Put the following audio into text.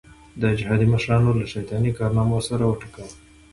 د جهادي مشرانو له شیطاني کارنامو سر وټکاوه.